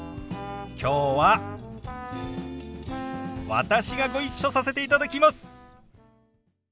きょうは私がご一緒させていただきます。